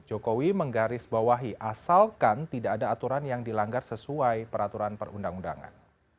jokowi menggarisbawahi asalkan tidak ada aturan yang dilanggar sesuai peraturan perundang undangan